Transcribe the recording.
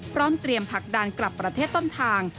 พร้อมเตรียมผลักดันกลับประเทศต้นทาง